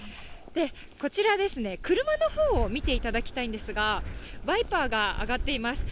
こちら、車のほうを見ていただきたいんですが、ワイパーが上がっています。